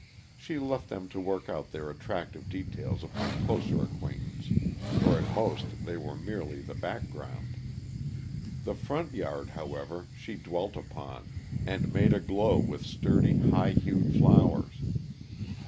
She left them to work out their attractive details upon closer acquaintance, for at most they were merely the background. The front yard, however, she dwelt upon, and made aglow with sturdy, bright hued flowers.